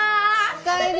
お帰り。